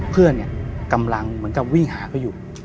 เพื่อนกำลังวิ่งหาเขาอยู่